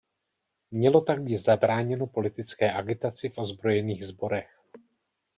Mělo tak být zabráněno politické agitaci v ozbrojených sborech.